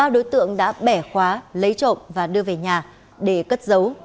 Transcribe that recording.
ba đối tượng đã bẻ khóa lấy trộm và đưa về nhà để cất giấu